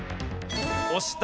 押した。